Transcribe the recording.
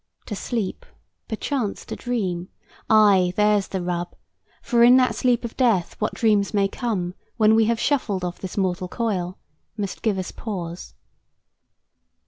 "To sleep, perchance to dream. Ay, there's the rub; For in that sleep of death what dreams may come When we have shuffled off this mortal coil, Must give us pause."